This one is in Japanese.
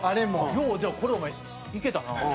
ようじゃあこれお前いけたな。